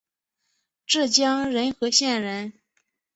浙江仁和县人。